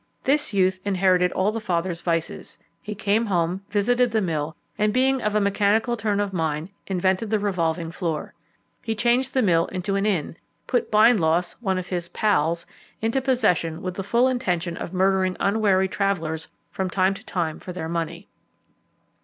This youth inherited all the father's vices. He came home, visited the mill, and, being of a mechanical turn of mind, invented the revolving floor. He changed the mill into an inn, put Bindloss, one of his "pals," into possession with the full intention of murdering unwary travellers from time to time for their money.